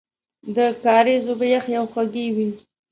د کاریز اوبه یخې او خوږې وې.